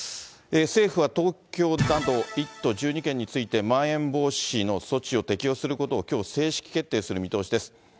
政府は東京など、１都１２県について、まん延防止の措置を適用することをきょう、正式決定する見通しです。